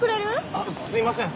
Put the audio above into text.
あっすいません。